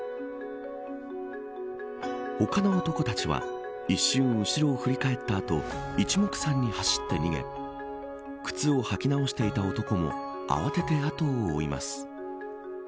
他の男たちは一瞬後ろを振り返った後一目散に走って逃げ靴を履き直していた男も慌てて後を追います。